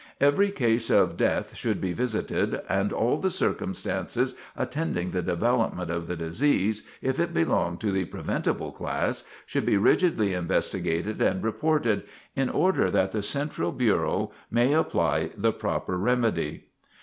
Every case of death should be visited, and all the circumstances attending the development of the disease, if it belong to the preventable class, should be rigidly investigated and reported, in order that the central bureau may apply the proper remedy.